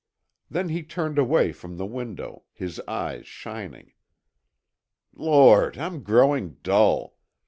Then he turned away from the window, his eyes shining, "Lord, I'm growing dull!